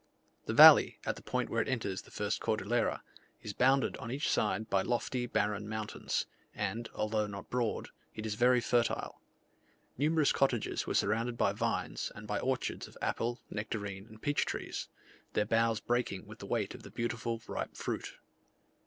The valley, at the point where it enters the first Cordillera, is bounded on each side by lofty barren mountains; and although not broad, it is very fertile. Numerous cottages were surrounded by vines, and by orchards of apple, nectarine, and peach trees their boughs breaking with the weight of the beautiful ripe fruit.